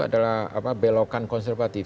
adalah belokan konservatif